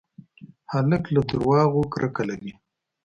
هلک له دروغو کرکه لري.